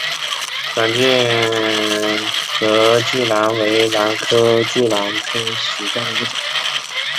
短茎隔距兰为兰科隔距兰属下的一个种。